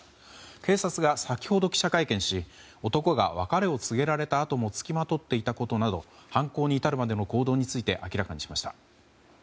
警察が先ほど記者会見し男が別れを告げられたあとも付きまとっていたことなど犯行に至るまでの行動について明らかにしました。